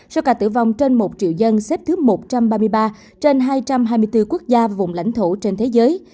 số ca tử vong trên một triệu dân xếp thứ một trăm ba mươi ba trên hai trăm hai mươi bốn quốc gia vùng lãnh thổ trên thế giới